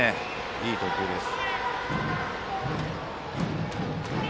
いい投球です。